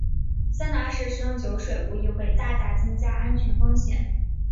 桑拿时食用酒水无疑会大大增加安全风险。